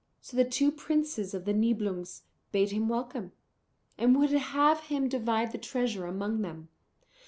So the two princes of the Nibelungs bade him welcome, and would have him divide the treasure among them.